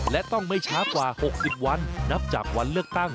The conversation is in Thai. และต้องไม่ช้ากว่า๖๐วันนับจากวันเลือกตั้ง